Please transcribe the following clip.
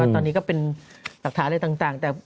ตอนนี้ก็เป็นหลักฐานอะไรต่าง